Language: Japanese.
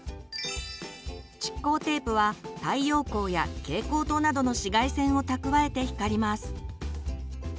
蓄光テープは太陽光や蛍光灯などの紫外線を蓄えて光ります。